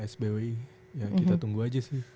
sbw kita tunggu aja sih